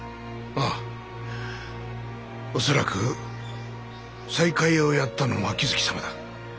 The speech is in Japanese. ああ恐らく西海屋をやったのも秋月様だ。